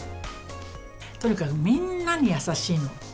とにかくみんなに優しいの。